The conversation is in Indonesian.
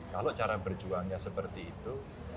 kalau cara berjuangnya seperti itu